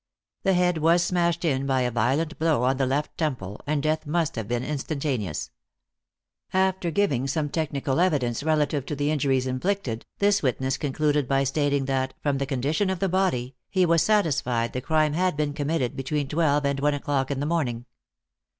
The head was smashed in by a violent blow on the left temple, and death must have been instantaneous, After giving some technical evidence relative to the injuries inflicted, this witness concluded by stating that, from the condition of the body, he was satisfied the crime had been committed between twelve and one o'clock in the morning.